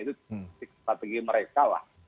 itu strategi mereka lah